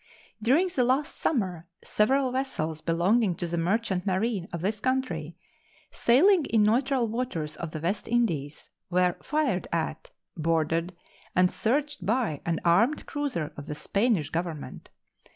During the last summer several vessels belonging to the merchant marine of this country, sailing in neutral waters of the West Indies, were fired at, boarded, and searched by an armed cruiser of the Spanish Government.